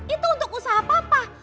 itu untuk usaha papa